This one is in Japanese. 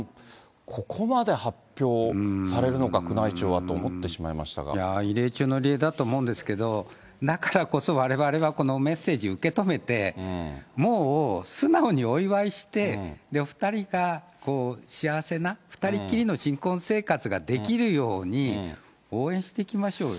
ここまで発表されるのか、異例中の異例だと思うんですけれども、だからこそ、われわれはこのメッセージを受け止めて、もう素直にお祝いして、お２人が幸せな、２人っきりの新婚生活ができるように、応援していきましょうよ。